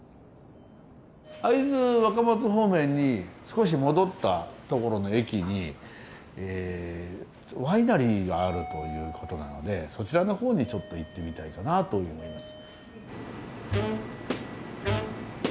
会津若松方面に少し戻った所の駅にワイナリーがあるということなのでそちらのほうにちょっと行ってみたいかなと思います。